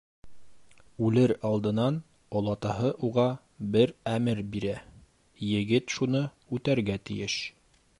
Үлер алдынан олатаһы уға бер әмер бирә, егет шуны үтәргә тейеш.